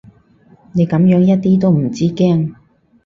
你噉樣一啲都唔知驚